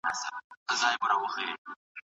موږ باید ډېره ډوډۍ ماڼۍ ته په وړلو کي احتیاط وکړو.